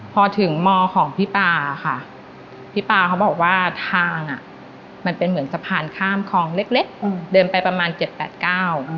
พอถึงมอของพี่ป๊าค่ะพี่ป๊าเขาบอกว่าทางมันเป็นเหมือนสะพานข้ามคลองเล็กเดินไปประมาณ๗๘เก้า